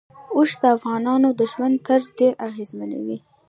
اوښ د افغانانو د ژوند طرز ډېر اغېزمنوي.